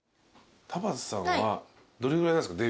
田畑さんはどれぐらいなんすか？